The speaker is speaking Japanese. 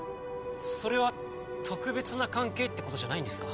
それは特別な関係ってことじゃないんですか？